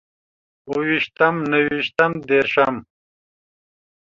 اوويشتم، نهويشتم، ديرشم